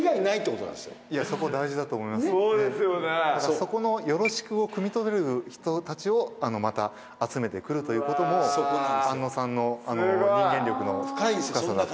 そこの「よろしく」をくみ取れる人たちをまた集めて来るということも庵野さんの人間力の深さだと。